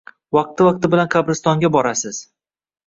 Vaqti-vaqti bilan qabristonga borasiz.